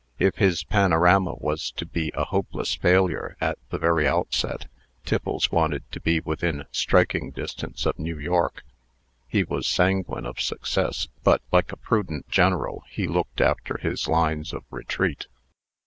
If his panorama was to be a hopeless failure at the very outset, Tiffles wanted to be within striking distance of New York. He was sanguine of success; but, like a prudent general, he looked after his lines of retreat.